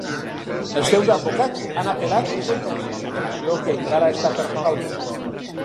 Els seus advocats han apel·lat la sentència, apel·lació que encara està per resoldre.